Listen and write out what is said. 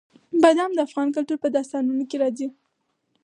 بادام د افغان کلتور په داستانونو کې راځي.